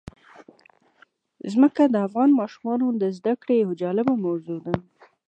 ځمکه د افغان ماشومانو د زده کړې یوه جالبه موضوع ده.